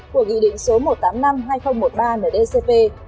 của nghị định số một trăm tám mươi năm hai nghìn một mươi ba ndcp